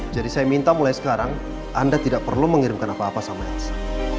jadi saya minta mulai sekarang anda tidak perlu mengirimkan apa apa sama elsa